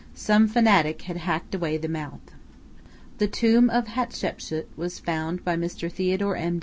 Some fanatic had hacked away the mouth. The tomb of Hatshepsu was found by Mr. Theodore M.